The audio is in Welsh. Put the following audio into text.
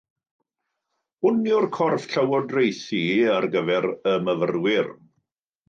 Hwn yw'r corff llywodraethu ar gyfer y myfyrwyr.